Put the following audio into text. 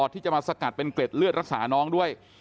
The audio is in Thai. ที่จะมาสกัดเป็นเกล็ดเลือดรักษาน้องด้วย